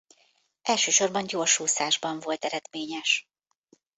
Elsősorban gyorsúszásban volt eredményes.